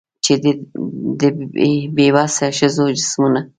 چي د بې وسه ښځو جسمونه